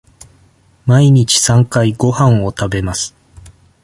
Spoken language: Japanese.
毎日三回ごはんを食べます。